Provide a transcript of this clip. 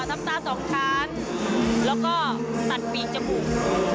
ทำตา๒ครั้งแล้วก็ตัดปีกจบูม